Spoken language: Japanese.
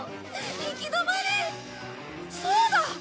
行き止まりそうだ！